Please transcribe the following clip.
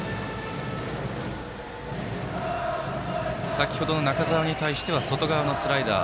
先程の中澤に対しては外側のスライダー。